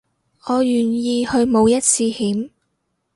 我願意去冒一次險